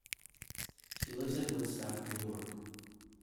She lives in Woodstock, New York.